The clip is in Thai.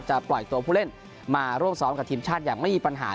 ปล่อยตัวผู้เล่นมาร่วมซ้อมกับทีมชาติอย่างไม่มีปัญหา